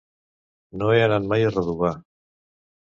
No he anat mai a Redovà.